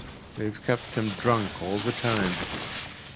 ‚ÄĚ “They’ve kept him drunk all the time.